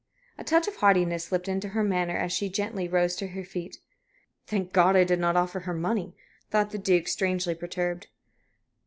A touch of haughtiness slipped into her manner as she gently rose to her feet. "Thank God, I did not offer her money!" thought the Duke, strangely perturbed.